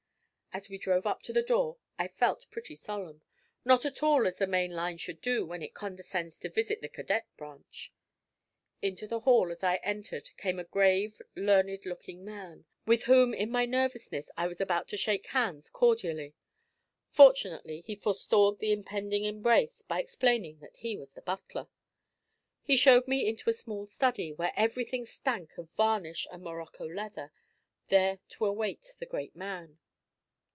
As we drove up to the door I felt pretty solemn not at all as the main line should do when it condescends to visit the cadet branch. Into the hall as I entered came a grave learned looking man, with whom in my nervousness I was about to shake hands cordially. Fortunately he forestalled the impending embrace by explaining that he was the butler. He showed me into a small study, where everything stank of varnish and morocco leather, there to await the great man.